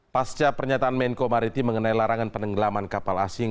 pasca pernyataan menko mariti mengenai larangan penenggelaman kapal asing